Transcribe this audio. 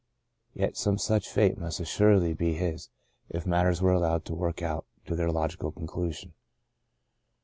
Yet some such fate must assuredly be h^s, if matters were allowed to work out to their logical conclusion.